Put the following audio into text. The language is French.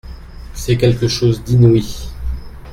C'est quelque chose d'inouï.